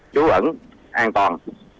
chú ẩn an toàn